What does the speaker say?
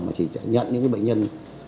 mà chỉ nhận những bệnh nhân